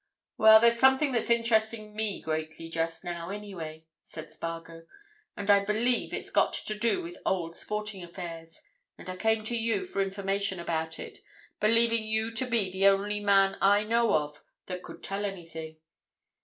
"Well, there's something that's interesting me greatly just now, anyway," said Spargo. "And I believe it's got to do with old sporting affairs. And I came to you for information about it, believing you to be the only man I know of that could tell anything."